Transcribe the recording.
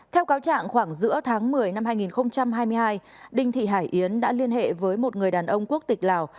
theo cáo trạng khoảng giữa tháng một mươi năm hai nghìn hai mươi hai đinh thị hải yến đã liên hệ với một người đàn ông quốc tịch lào